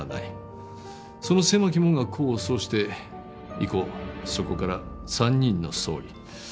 その狭き門が功を奏して以降そこから３人の総理。